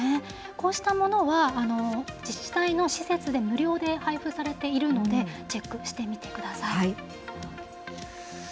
こうしたものは、自治体の施設で無料で配布されているので、チェックしてみてください。